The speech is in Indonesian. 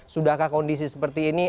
sudahkah kondisi seperti ini